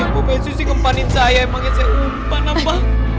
lagi bobek susi kemanin saya emangnya saya umpan apa